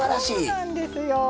そうなんですよ。